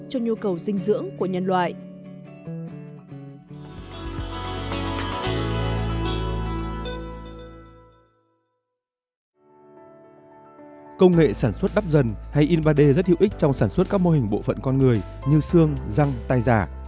công nghệ sản xuất đắp dần hay in ba d rất hữu ích trong sản xuất các mô hình bộ phận con người như xương răng tay giả